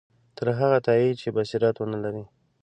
تر هغه تایید چې بصیرت ونه لري.